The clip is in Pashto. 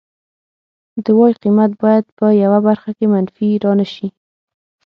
د وای قیمت باید په یوه برخه کې منفي را نشي